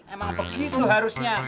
emang begitu harusnya